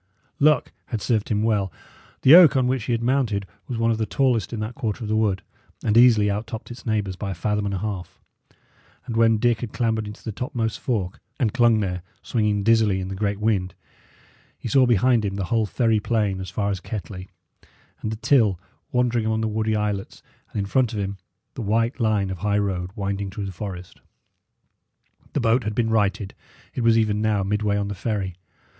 Luck had served him well. The oak on which he had mounted was one of the tallest in that quarter of the wood, and easily out topped its neighbours by a fathom and a half; and when Dick had clambered into the topmost fork and clung there, swinging dizzily in the great wind, he saw behind him the whole fenny plain as far as Kettley, and the Till wandering among woody islets, and in front of him, the white line of high road winding through the forest. The boat had been righted it was even now midway on the ferry.